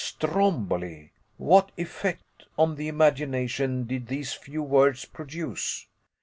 Stromboli! What effect on the imagination did these few words produce!